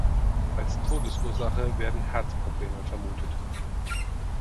Als Todesursache werden Herzprobleme vermutet.